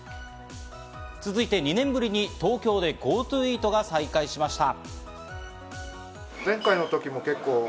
続いて２年ぶりに東京でＧｏＴｏＥａｔが再開しました。